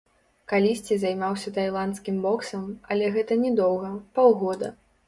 Калісьці займаўся тайландскім боксам, але гэта не доўга, паўгода.